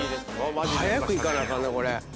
早くいかなあかんなこれ。